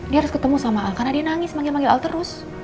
dia harus ketemu sama a karena dia nangis manggil manggil al terus